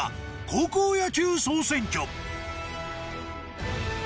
高校野球総選挙。